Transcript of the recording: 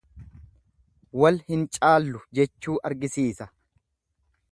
Wal hin caallu jechuu argisiisa.